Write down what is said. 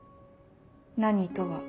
何とは？